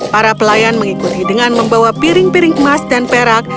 para pelayan mengikuti dengan membawa piring piring emas dan perak